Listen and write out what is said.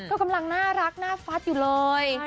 ก็กำลังน่ารักหน้าฟัดอยู่เลย